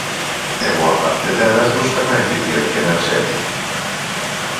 E boa parte delas buscan a eficiencia enerxética.